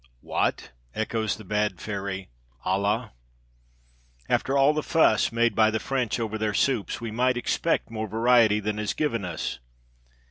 "What?" echoes the bad fairy "Ala." After all the fuss made by the French over their soups, we might expect more variety than is given us.